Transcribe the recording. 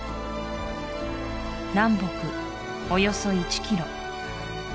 南北およそ１キロ